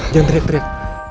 jangan trik trik